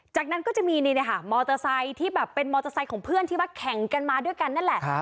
จากนั้นก็จะมีมอเตอร์ไซค์ที่แบบเป็นมอเตอร์ไซค์ของเพื่อนที่ว่าแข่งกันมาด้วยกันนั่นแหละ